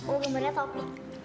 oh gambarnya topi